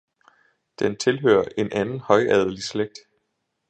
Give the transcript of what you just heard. den tilhører en anden højadelig slægt.